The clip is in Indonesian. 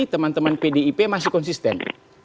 teman teman pdip masih konsisten